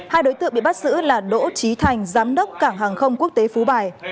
hai đối tượng bị bắt giữ là đỗ trí thành giám đốc cảng hàng không quốc tế phú bài